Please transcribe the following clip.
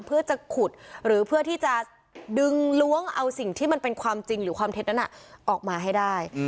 เพื่อจะขุดหรือเพื่อที่จะดึงล้วงเอาสิ่งที่มันเป็นความจริงหรือความเท็จนั้นออกมาให้ได้